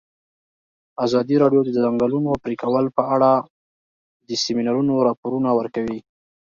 ازادي راډیو د د ځنګلونو پرېکول په اړه د سیمینارونو راپورونه ورکړي.